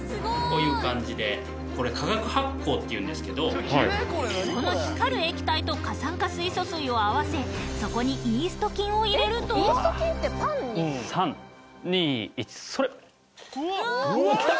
こういう感じでこれ化学発光っていうんですけどこの光る液体と過酸化水素水を合わせそこにイースト菌を入れると３２１それっおおきた！